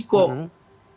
kok tidak percaya dia